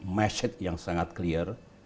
mesej yang sangat jelas